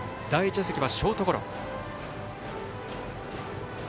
第１打席はショートゴロ。